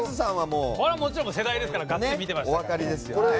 もちろん世代ですからガッツリ見てました。